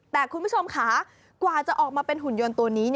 แต่คุณผู้ชมค่ะกว่าจะออกมาเป็นหุ่นยนต์ตัวนี้